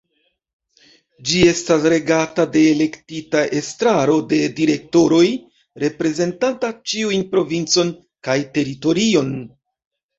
Ĝi estas regata de elektita Estraro de direktoroj reprezentanta ĉiun provincon kaj teritorion.